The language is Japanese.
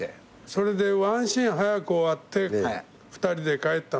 それでワンシーン早く終わって２人で帰ったんだよね。